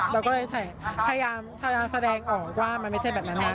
เราก็เลยพยายามแสดงออกว่ามันไม่ใช่แบบนั้นนะ